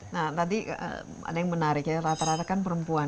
nah tadi ada yang menarik ya